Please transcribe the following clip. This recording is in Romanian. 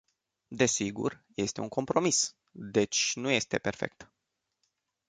Desigur, este un compromis, deci nu este perfect.